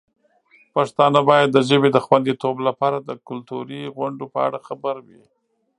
پښتانه باید د ژبې د خوندیتوب لپاره د کلتوري غونډو په اړه خبر وي.